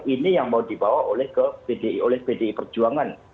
ini yang mau dibawa oleh pdi perjuangan